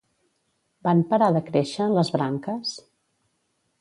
Van parar de créixer, les branques?